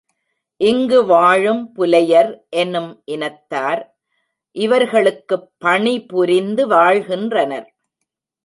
இங்கு வாழும் புலையர் என்னும் இனத்தார் இவர்களுக்குப் பணிபுரிந்து வாழ்கின்றனர்.